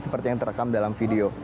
seperti yang terekam dalam video